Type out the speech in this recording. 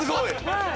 はい。